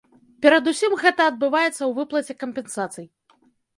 Перадусім гэта адбываецца ў выплаце кампенсацый.